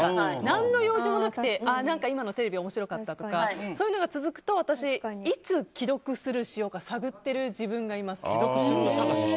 何の用事もなくて今のテレビ面白かったとかそういうのが続くといつ既読スルーするか探ってる自分がいます。